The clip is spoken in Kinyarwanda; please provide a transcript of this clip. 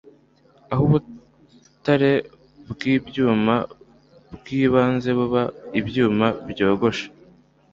aho ubutare bwibyuma byibanze buba ibyuma byogosha